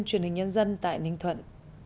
phóng viên truyền hình nhân dân tại ninh thuận